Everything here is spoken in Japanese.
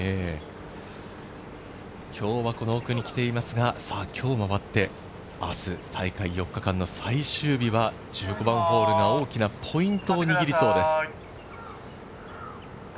今日はこの奥に来ていますが、明日、大会４日間の最終日は１５番ホールが大きなポイントを握りそうです。